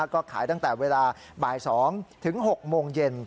ก็ขายตั้งแต่เวลาบ่าย๒ถึง๖โมงเย็น